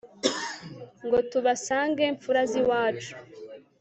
ngo tubasange mfura z'iwacu